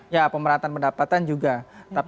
ya pemerintahan pendapatan juga